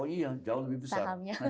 oh iya jauh lebih besar